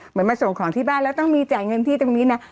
มาส่งของที่บ้านแล้วต้องมีจ่ายเงินที่ตรงนี้นะ